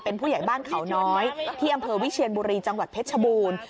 เป็นผู้ใหญ่บ้านเขาน้อยที่อำเภอวิเชียนบุรีจังหวัดเพชรชบูรณ์